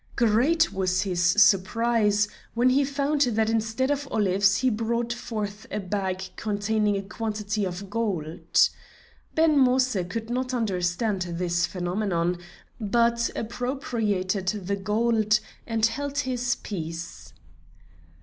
Great was his surprise when he found that instead of olives, he brought forth a bag containing a quantity of gold. Ben Moïse could not understand this phenomenon, but appropriated the gold and held his peace.